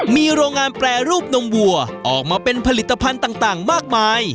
มีโรงงานแปรรูปนมวัวออกมาเป็นผลิตภัณฑ์ต่างมากมาย